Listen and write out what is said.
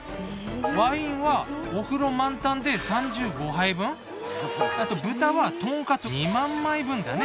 ワインはお風呂満タンで３５杯分豚は豚カツ２万枚分だね。